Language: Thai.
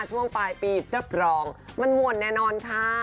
ช่วงปลายปีรับรองมันหวนแน่นอนค่ะ